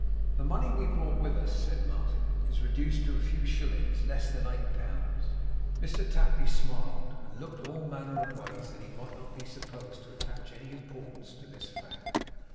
'The money we brought with us,' said Martin, 'is reduced to a few shillings less than eight pounds.' Mr Tapley smiled, and looked all manner of ways, that he might not be supposed to attach any importance to this fact.